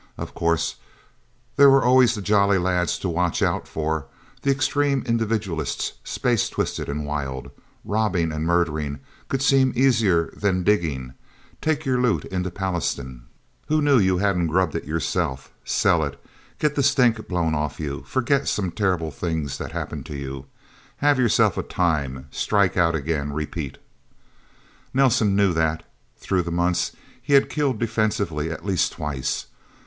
Of course there were always the Jolly Lads to watch out for the extreme individualists, space twisted and wild. Robbing and murdering could seem easier than digging. Take your loot into Pallastown who knew you hadn't grubbed it, yourself? Sell it. Get the stink blown off you forget some terrible things that had happened to you. Have yourself a time. Strike Out again. Repeat... Nelsen knew that, through the months, he had killed defensively at least twice.